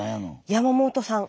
山本さん